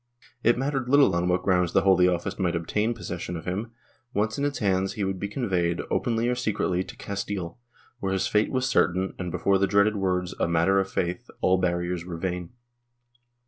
It mattered little on what grounds the Holy Office might obtain possession of him ; once in its hands, he would be conveyed, openly or secretly, to Castile, where his fate was certain and, before the dreaded words " a matter of faith" all barriers were vain.